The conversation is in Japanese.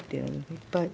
いっぱい。